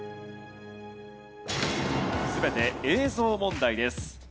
全て映像問題です。